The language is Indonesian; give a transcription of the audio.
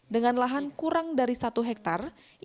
dengan lahan kurang dari satu hektare